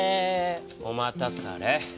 お待たされ。